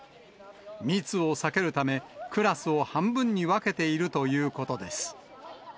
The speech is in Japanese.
密を避けるため、クラスを半分に分けているということです。